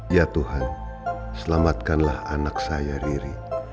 ya tuhan selamatkanlah anak saya riri